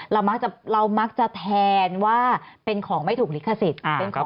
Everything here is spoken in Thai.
เรามักจะแทนว่าเป็นของไม่ถูกลิขสิทธิ์